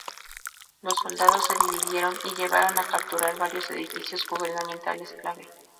Los soldados se dividieron y llevaron a capturar varios edificios gubernamentales clave.